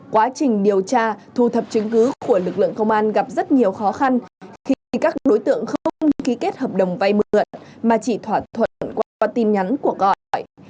quá trình điều tra thu thập chứng cứ của lực lượng công an gặp rất nhiều khó khăn khi các đối tượng không ký kết hợp đồng vay mượn mà chỉ thỏa thuận qua tin nhắn của gọi